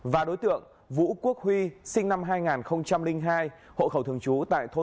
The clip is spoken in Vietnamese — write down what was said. và đối tượng vũ quốc huy sinh năm hai nghìn hai hộ khẩu thường trú tại thôn